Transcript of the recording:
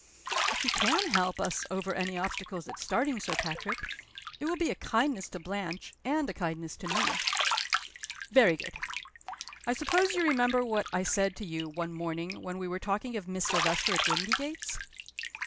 "If you can help us over any obstacles at starting, Sir Patrick, it will be a kindness to Blanche, and a kindness to me." "Very good. I suppose you remember what I said to you, one morning, when we were talking of Miss Silvester at Windygates?"